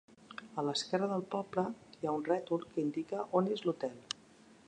A l'esquerra del poble hi ha un rètol que indica on és l'hotel.